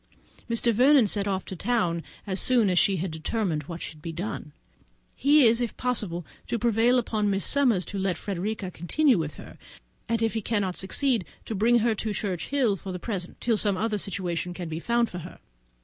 Mr. Vernon set off for London as soon as she had determined what should be done. He is, if possible, to prevail on Miss Summers to let Frederica continue with her; and if he cannot succeed, to bring her to Churchhill for the present, till some other situation can be found for her.